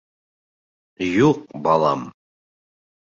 — Юҡ, балам.